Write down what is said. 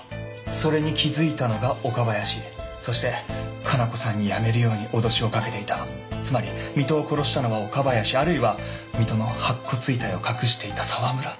それに気付いたのが岡林そして加奈子さんにやめるように脅しをかけていたつまり水戸を殺したのは岡林あるいは水戸の白骨遺体を隠していた沢村？